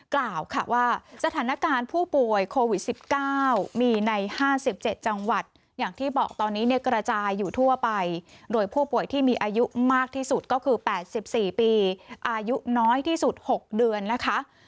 กล่าวค่ะว่าสถานการณ์ผู้ป่วยโควิด๑๙มีใน๕๗จังหวัดอย่างที่บอกตอนนี้เนี่ยกระจายอยู่ทั่วไปโดยผู้ป่วยที่มีอายุมากที่สุดก็คือ๘๔ปีอายุน้อยที่สุด๖เดือนนะคะ